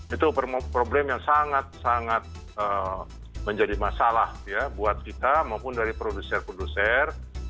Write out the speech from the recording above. itu problem yang sangat sangat menjadi masalah ya buat kita maupun dari produser produser